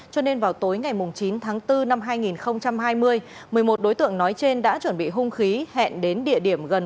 cho nên vào tối ngày chín tháng bốn năm hai nghìn hai mươi một mươi một đối tượng nói trên đã chuẩn bị hung khí hẹn đến địa điểm gần